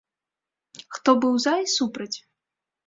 Хто быў за і супраць?